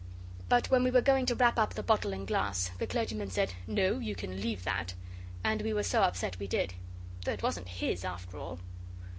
But when we were going to wrap up the bottle and glass the clergyman said, 'No; you can leave that,' and we were so upset we did, though it wasn't his after all.